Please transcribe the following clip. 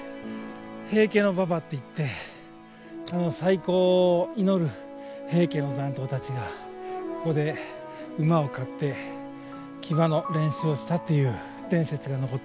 平家の馬場といって再興を祈る平家の残党たちがここで馬を飼って騎馬の練習をしたという伝説が残ってる場所ですね。